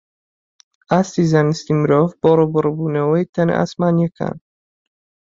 ئاستی زانستی مرۆڤ بۆ ڕووبەڕووبوونەوەی تەنە ئاسمانییەکان